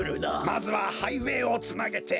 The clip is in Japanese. まずはハイウエーをつなげて。